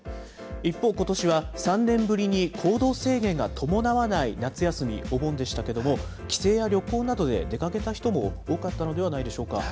一方、ことしは３年ぶりに行動制限が伴わない夏休み、お盆でしたけども、帰省や旅行などで出かけた人も多かったのではないでしょうか。